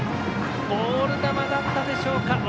ボール球だったでしょうか。